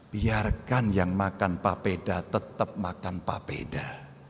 biarkan yang makan papeda tetap makan papeda